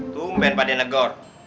tumben pak dinegor